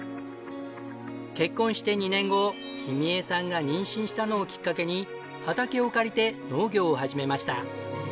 結婚して２年後君恵さんが妊娠したのをきっかけに畑を借りて農業を始めました。